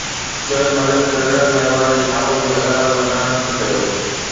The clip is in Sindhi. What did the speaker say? شعيب ملڪ ننڍڙن مهمانن جي آمد جو اعلان مداحن کي ڪيو